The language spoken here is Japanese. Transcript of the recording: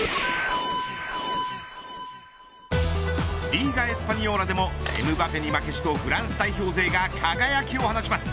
リーガエスパニョーラでもエムバペに負けじとフランス代表勢が輝きを放ちます。